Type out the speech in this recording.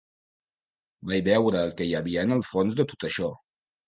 Vaig veure el que hi havia en el fons de tot això.